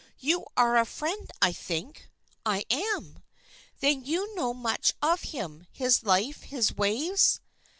You are a friend, I think?" "I am." "Then you know much of him, his life, his ways?"